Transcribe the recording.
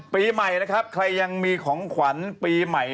ปีใหม่นะครับใครยังมีของขวัญปีใหม่